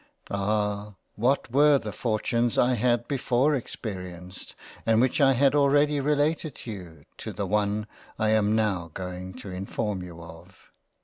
Ah ! what were the misfortunes I had before experienced and which I have already related to you, to the one I am now going to inform you of.